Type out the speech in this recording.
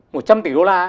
một trăm tỷ đô la